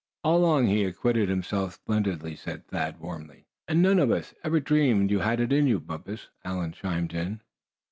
"All along he's acquitted himself splendidly," said Thad, warmly. "And none of us ever dreamed you had it in you, Bumpus." Allan chimed in.